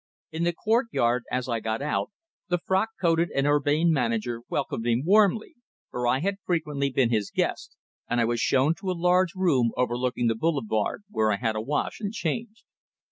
In the courtyard, as I got out, the frock coated and urbane manager welcomed me warmly, for I had frequently been his guest, and I was shown to a large room overlooking the Boulevard where I had a wash and changed.